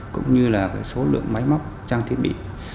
cũng như là số lượng máy móc trang thiết bị